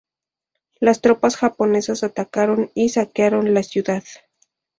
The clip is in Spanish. Las tropas japonesas atacaron y saquearon la ciudad.